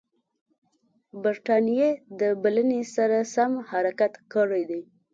برټانیې د بلنې سره سم حرکت کړی دی.